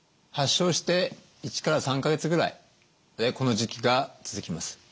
発症して１から３か月ぐらいこの時期が続きます。